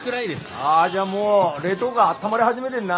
ああじゃあもう冷凍庫あったまり始めてんな。